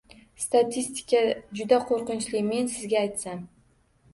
Statistika juda qo‘rqinchli, men sizga aytsam.